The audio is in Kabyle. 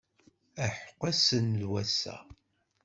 Aḥeqq ass-n d wass-a!